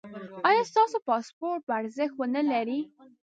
ایا ستاسو پاسپورت به ارزښت و نه لري؟